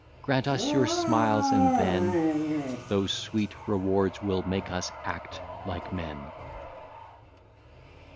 Grant us your smiles, and then Those sweet rewards will make us act like men.